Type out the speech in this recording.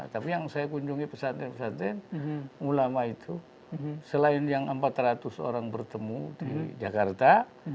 tapi yang saya kunjungi pesantren pesantren ulama itu selain yang empat ratus orang bertemu di jakarta